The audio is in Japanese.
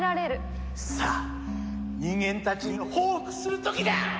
さあ人間たちに報復する時だ！